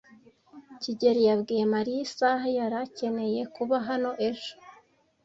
kigeli yabwiye Mariya isaha yari akeneye kuba hano ejo?